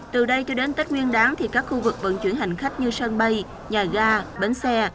từ đây cho đến tết nguyên đáng thì các khu vực vận chuyển hành khách như sân bay nhà ga bến xe